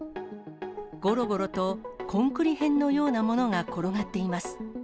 ごろごろと、コンクリ片のようなものが転がっています。